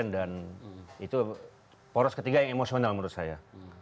dan itu poros ketiga yang emosional menurut saya